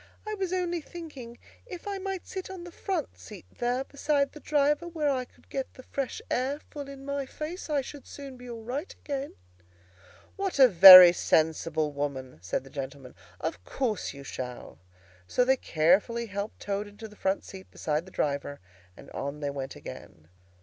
"I was only thinking, if I might sit on the front seat there, beside the driver, where I could get the fresh air full in my face, I should soon be all right again." "What a very sensible woman!" said the gentleman. "Of course you shall." So they carefully helped Toad into the front seat beside the driver, and on they went again.